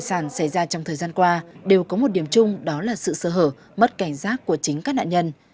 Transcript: tài sản xảy ra trong thời gian qua đều có một điểm chung đó là sự sơ hở mất cảnh giác của chính các nạn nhân